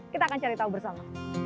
kita akan cari tahu bersama